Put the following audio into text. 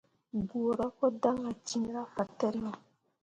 Guura ko dan ah cinra fatǝro.